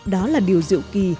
đó là điều dự kỳ